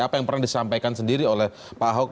apa yang pernah disampaikan sendiri oleh pak ahok